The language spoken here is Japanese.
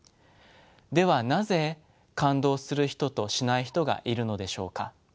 ではなぜ感動する人としない人がいるのでしょうか。